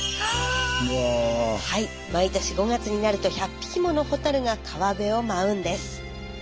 毎年５月になると１００匹ものホタルが川辺を舞うんです。